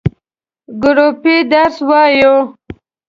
ګروپی درس وایی؟